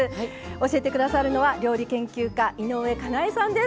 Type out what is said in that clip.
教えて下さるのは料理研究家井上かなえさんです。